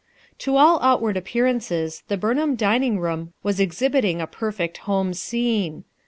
To all outward appearances the Burnham dining room was exhibiting a perfect home scene.